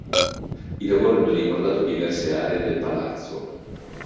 I lavori hanno riguardato diverse aree del palazzo.